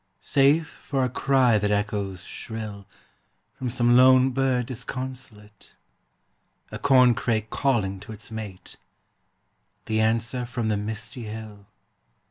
Save for a cry that echoes shrill From some lone bird disconsolate; A corncrake calling to its mate; The answer from the misty hill.